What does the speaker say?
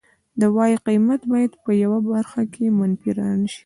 د وای قیمت باید په یوه برخه کې منفي را نشي